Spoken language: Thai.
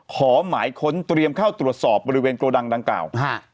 ขอหมายค้นเตรียมเข้าตรวจสอบบริเวณโกดังดังกล่าว